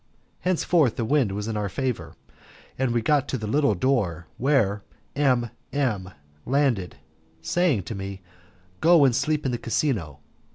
Henceforth the wind was in our favour, and we soon got to the little door, where M M landed, saying to me, "Go and sleep in the casino."